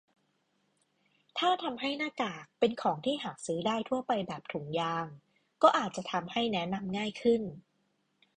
ถ้าทำให้หน้ากากเป็นของที่หาซื้อได้ทั่วไปแบบถุงยาง ก็อาจจะทำให้แนะนำง่ายขึ้น ?